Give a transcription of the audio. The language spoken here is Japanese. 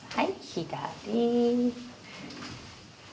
左。